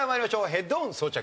ヘッドホン装着。